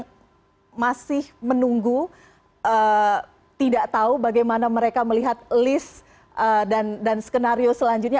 kita masih menunggu tidak tahu bagaimana mereka melihat list dan skenario selanjutnya